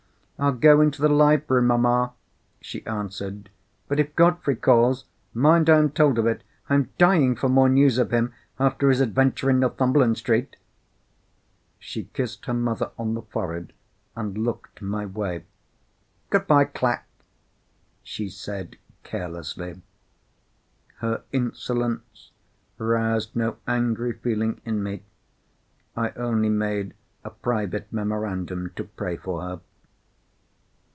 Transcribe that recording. "I'll go into the library, mamma," she answered. "But if Godfrey calls, mind I am told of it. I am dying for more news of him, after his adventure in Northumberland Street." She kissed her mother on the forehead, and looked my way. "Good bye, Clack," she said, carelessly. Her insolence roused no angry feeling in me; I only made a private memorandum to pray for her.